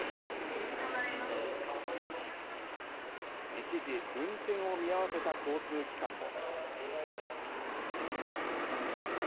一時運転を見合わせた交通機関も。